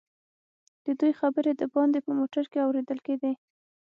ددوئ خبرې دباندې په موټر کې اورېدل کېدې.